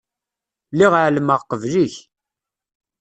Lliɣ εelmeɣ qbel-ik.